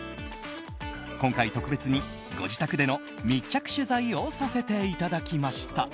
今回、特別にご自宅での密着取材をさせていただきました。